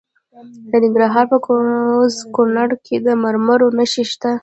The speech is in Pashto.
د ننګرهار په کوز کونړ کې د مرمرو نښې شته.